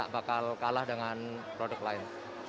bakal kalah dengan produk lain